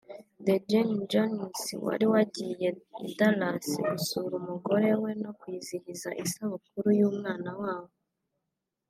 Dejean-Jones wari wagiye i Dallas gusura umugore we no kwizihiza isabukuru y’umwana wabo